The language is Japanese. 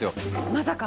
まさか。